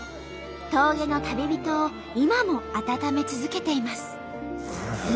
峠の旅人を今も温め続けています。